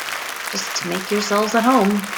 Just make yourselves at home.